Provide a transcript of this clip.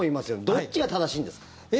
どっちが正しいんですか。